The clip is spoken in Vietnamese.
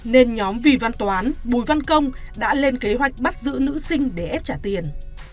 nên nhóm vì văn toán bùi văn công đã lên kế hoạch bắt giữ nữ sinh để ép trả tiền